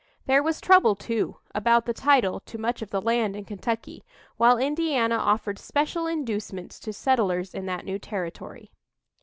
There was trouble, too, about the title to much of the land in Kentucky, while Indiana offered special inducements to settlers in that new territory.